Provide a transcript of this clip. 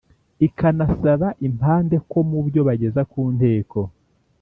ikanasaba impande ko mu byo bageza ku Nteko